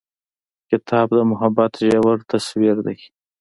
ګلاب د محبت ژور تصویر دی.